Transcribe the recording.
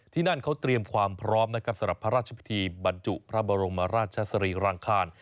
นั่นเขาเตรียมความพร้อมนะครับสำหรับพระราชพิธีบรรจุพระบรมราชสรีรังคาร